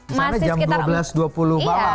misalnya jam dua belas dua puluh malam ya